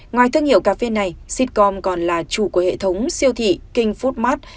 ngoài thương hiệu cà phê này sitcom còn là chủ của hệ thống siêu thị king food mart